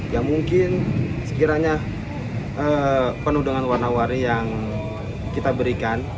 yang mungkin sekiranya penuh dengan warna warni yang kita berikan